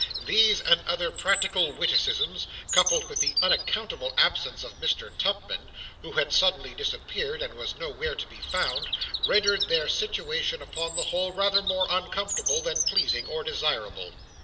These, and other practical witticisms, coupled with the unaccountable absence of Mr. Tupman (who had suddenly disappeared, and was nowhere to be found), rendered their situation upon the whole rather more uncomfortable than pleasing or desirable.